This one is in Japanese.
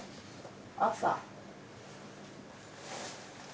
朝。